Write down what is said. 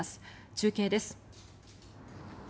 中継です。